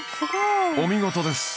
お見事です！